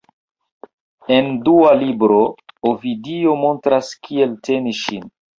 En dua libro, Ovidio montras kiel teni ŝin.